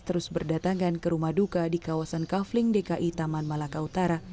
terus berdatangan ke rumah duka di kawasan kafling dki taman malaka utara